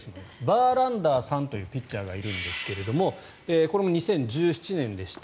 バーランダーさんというピッチャーがいるんですがこれも２０１７年でした。